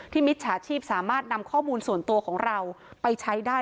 มิจฉาชีพสามารถนำข้อมูลส่วนตัวของเราไปใช้ได้